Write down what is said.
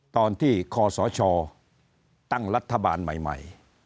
ตอนที่คศชตั้งรัฐบาลใหม่